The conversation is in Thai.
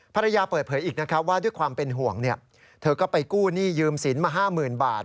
ภรรยาเปิดเผยอีกนะครับว่าด้วยความเป็นห่วงเธอก็ไปกู้หนี้ยืมสินมา๕๐๐๐บาท